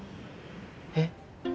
えっ？